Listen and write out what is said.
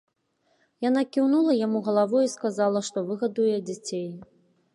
Яна кіўнула яму галавой і сказала, што выгадуе дзяцей.